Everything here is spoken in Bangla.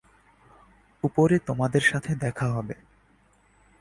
উপরে তোমাদের সাথে দেখা হবে।